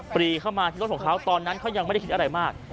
ปรีเข้ามาที่รถของเขาตอนนั้นเขายังไม่ได้คิดอะไรมาก